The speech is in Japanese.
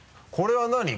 これは何？